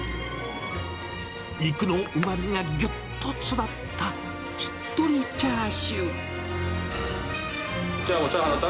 肉のうまみがぎゅっと詰まったしっとりチャーシュー。